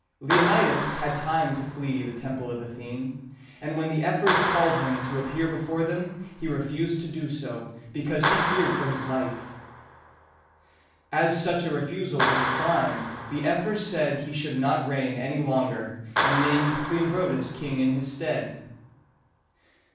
Leonidas had time to flee to the Temple of Athene; and when the ephors called him to appear before them, he refused to do so, because he feared for his life. As such a refusal was a crime, the ephors said he should not reign any longer, and named Cleombrotus king in his stead. [Illustration: Cleombrotus and Chilonis.